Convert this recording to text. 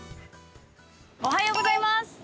◆おはようございます。